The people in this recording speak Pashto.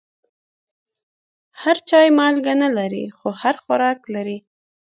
هر چای مالګه نه لري، خو هر خوراک لري.